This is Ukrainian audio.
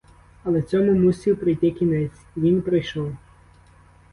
Але цьому мусів прийти кінець, і він прийшов.